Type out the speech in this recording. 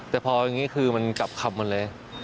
แต่พออย่างนี้คือมันกลับขับหมดเลย